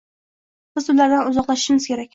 Biz ulardan uzoqlashishimiz kerak